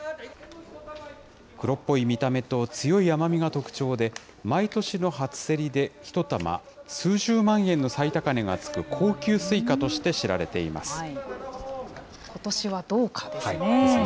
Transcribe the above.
黒っぽい見た目と強い甘みが特徴で、毎年の初競りで１玉数十万円の最高値がつく高級スイカとして知らことしはどうかですね。